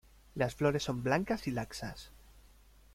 Las flores son blancas y laxas.